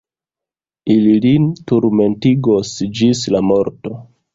Ili lin turmentegos ĝis la morto.